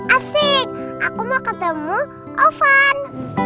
asik aku mau ketemu alven